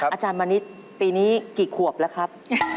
อาจารย์บันนิตรปีนี้กี่ขวบแล้วครับ